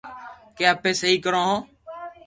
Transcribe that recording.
ڪي اپي سھي ڪرو ھون